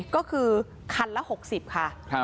ก็คือคันละ๖๐ค่ะ